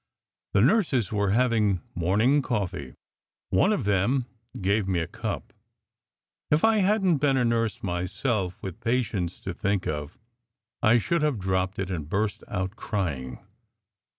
The nurses were having morning coffee. One of them gave me a cup. If I hadn t been a nurse myself, with patients to think of, I should have dropped it and burst out crying.